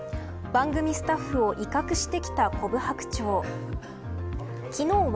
番組スタッフを威嚇してきたコブハクチョウ。